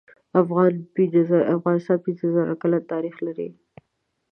افغانستان پینځه زره کاله تاریخ لري.